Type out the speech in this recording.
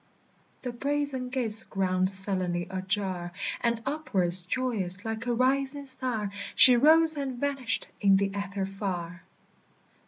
The brazen gates ground sullenly ajar, And upwards, joyous, like a rising star, She rose and vanished in the ether far.